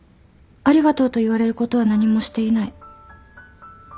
「ありがとう」と言われることは何もしていない。